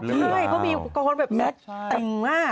ใช่เค้ามีกระโฮนแบบเม็ดเต็งมาก